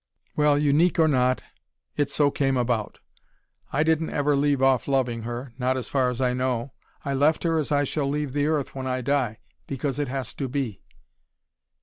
"Well, unique or not, it so came about. I didn't ever leave off loving her not as far as I know. I left her as I shall leave the earth when I die because it has to be."